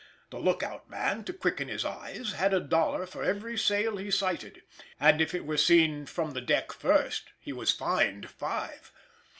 The lookout man, to quicken his eyes, had a dollar for every sail he sighted, and if it were seen from the deck first he was fined five.